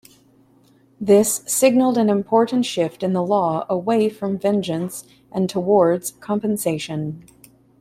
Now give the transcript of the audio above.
This signaled an important shift in the law away from vengeance and towards compensation.